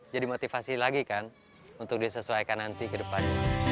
jadi motivasi lagi kan untuk disesuaikan nanti ke depan